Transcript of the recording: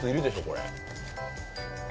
これ。。